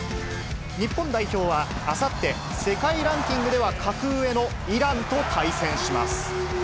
日本代表は、あさって、世界ランキングでは格上のイランと対戦します。